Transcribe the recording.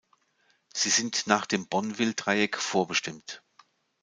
Sie sind nach dem Bonwill-Dreieck vorbestimmt.